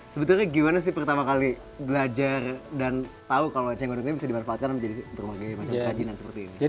sebetulnya gimana sih pertama kali belajar dan tahu kalau eceng gondong ini bisa dimanfaatkan menjadi berbagai macam kerajinan seperti ini